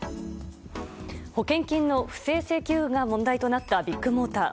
保険金の不正請求が問題となったビッグモーター。